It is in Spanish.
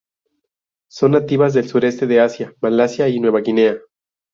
Son nativas del sudeste de Asia, Malasia y Nueva Guinea.